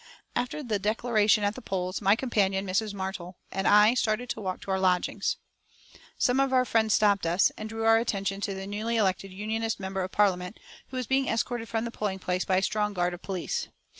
After the declaration at the polls, my companion, Mrs. Martel, and I started to walk to our lodgings. Some of our friends stopped us, and drew our attention to the newly elected Unionist member of Parliament, who was being escorted from the polling place by a strong guard of police.